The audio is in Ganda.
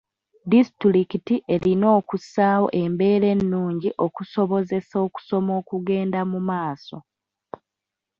Disitulikiti erina okussaawo embeera ennungi okusobozesa okusoma okugenda mu maaso.